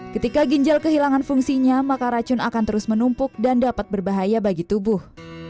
ketika ginjal kehilangan fungsinya maka racun akan terus menumpuk dan dapat berbahaya bagi tubuh